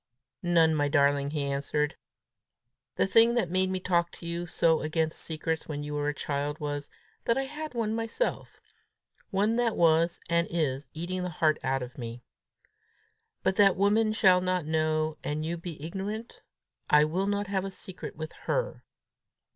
"None, my darling," he answered. "The thing that made me talk to you so against secrets when you were a child, was, that I had one myself one that was, and is, eating the heart out of me. But that woman shall not know and you be ignorant! I will not have a secret with _her!